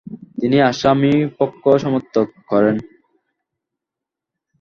তিনি আসামি পক্ষ সমর্থন করেন।